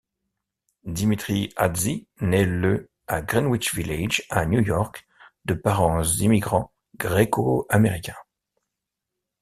Dimitri Hadzi naît le à Greenwich Village à New York, de parents immigrants gréco-américains.